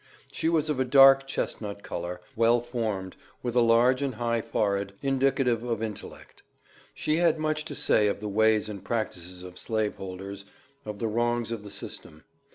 She was of a dark chestnut color, well formed, with a large and high forehead, indicative of intellect. She had much to say of the ways and practices of slave holders; of the wrongs of the system.